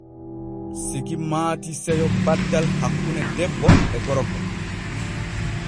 Siki maati seyo baddal hakkune debbo e gorko.